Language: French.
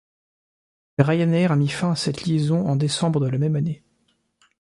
Ryanair a mis fin à cette liaison en décembre de la même année.